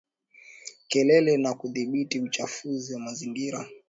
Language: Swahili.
Kelele na kudhibiti uchafuzi wa mazingira